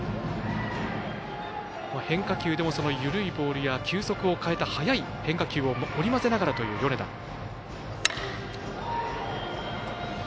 変化球でも緩いボールや球速を変えた速い変化球を織り交ぜながらという米田。